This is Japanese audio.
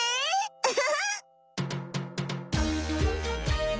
ウフフ！